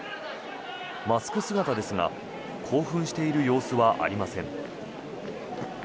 マスク姿ですが興奮している様子はありません。